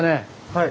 はい。